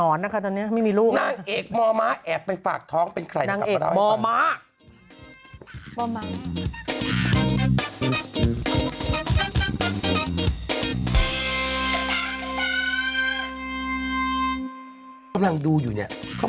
โอ้ไกลก็ไม่ไปฝั่งนู้น